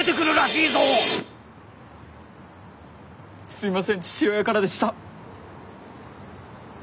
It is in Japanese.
すいません父親からでした。